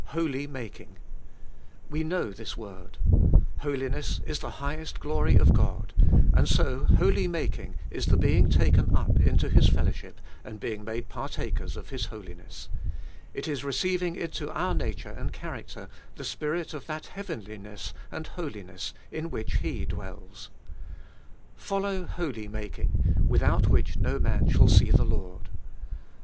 holy making." We know this word. Holiness is the highest glory of God, and so holy making is the being taken up into His fellowship, and being made partakers of His holiness. It is receiving into our nature and character the spirit of that heavenliness and holiness in which He dwells. Follow holy making, without which no man shall see the Lord.